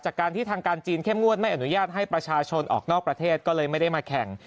จากการที่ทางการจีนเข้มงวดไม่อนุญาตให้ประชาชนออกนอกประเทศก็เลยไม่ได้มาแข่ง